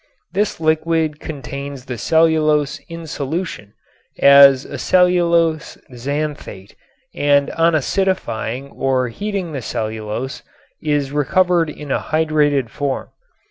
This liquid contains the cellulose in solution as a cellulose xanthate and on acidifying or heating the cellulose is recovered in a hydrated form.